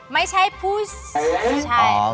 ไม่ใช่ผู้ชิงหรือป่ะ